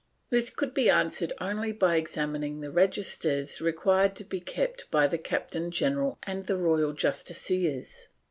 This could be answered only by examining the registers required to be kept by the captain general and royal justicias.